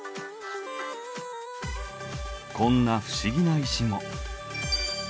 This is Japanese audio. こんな不思議な石も。